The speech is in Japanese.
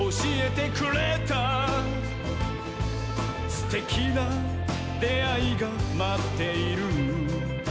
「すてきなであいがまっている」